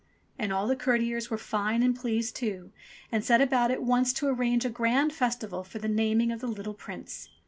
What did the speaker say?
And all the courtiers were fine and pleased too, and set about at once to arrange a grand festival for the naming of the little Prince.